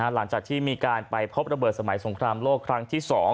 หลังจากที่มีการไปพบระเบิดสมัยสงครามโลกครั้งที่๒